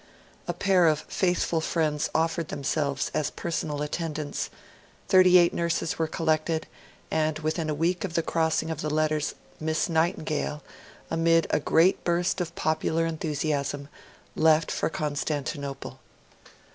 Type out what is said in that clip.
A pair of faithful friends offered themselves as personal attendants; thirty eight nurses were collected; and within a week of the crossing of the letters Miss Nightingale, amid a great burst of popular enthusiasm, left for Constantinople.